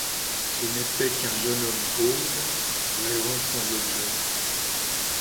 Ce n’était qu’un jeune homme pauvre rêvant sans objet.